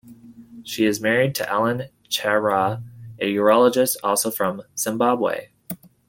She is married to Allen Chiura, a urologist, also from Zimbabwe.